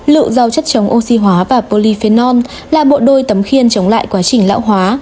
lựu rau chất chống oxy hóa và polyphenol là bộ đôi tấm khiên chống lại quá trình lão hóa